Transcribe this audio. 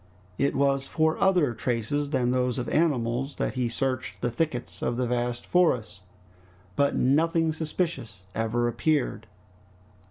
It was for other traces than those of animals that he searched the thickets of the vast forest, but nothing suspicious ever appeared.